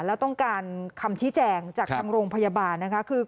แล้วต้องการคำชี้แจงจากทางโรงพยาบาลนะคะ